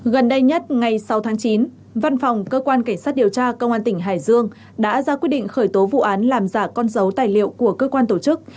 gần đây nhất ngày sáu tháng chín văn phòng cơ quan cảnh sát điều tra công an tỉnh hải dương đã ra quyết định khởi tố vụ án làm giả con dấu tài liệu của cơ quan tổ chức